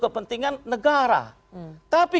kepentingan negara tapi